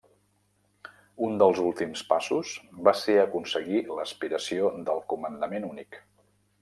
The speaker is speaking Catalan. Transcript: Un dels últims passos, va ser aconseguir l’aspiració del comandament únic.